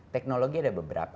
teknologi ada beberapa